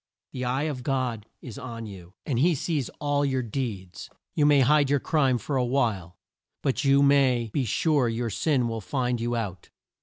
The eye of God is on you, and he sees all your deeds. You may hide your crime for a while, but you may "be sure your sin will find you out."